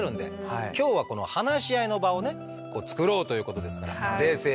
今日はこの話し合いの場をねつくろうということですから冷静に。